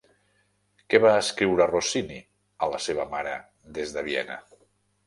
Què va escriure Rossini a la seva mare des de Viena?